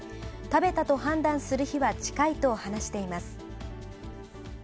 食べたと判断する日は近いと話しています。